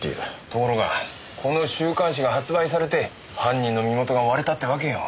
ところがこの週刊誌が発売されて犯人の身元が割れたってわけよ。